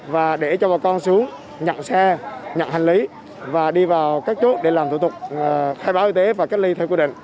và để cho bà con xuống nhận xe nhận hành lý và đi vào các chốt để làm thủ tục khai báo y tế và cách ly theo quy định